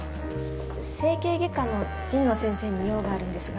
整形外科の神野先生に用があるんですが。